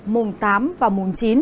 mùng tám và mùng chín